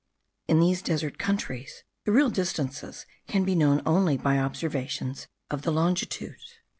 In these desert countries, the real distances can be known only by observations of the longitude.